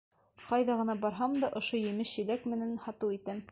Ҡайҙа ғына барһам да, ошо емеш-еләк менән һатыу итәм.